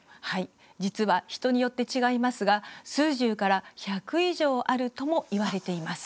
実は人によって違いますが数十から１００以上あるともいわれています。